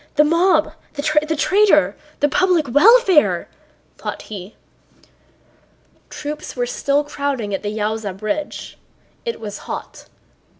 The mob, the traitor... the public welfare," thought he. Troops were still crowding at the Yaúza bridge. It was hot.